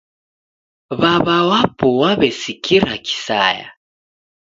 W'aw'a wapo waw'esikira kisaya